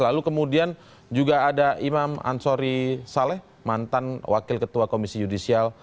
lalu kemudian juga ada imam ansori saleh mantan wakil ketua komisi yudisial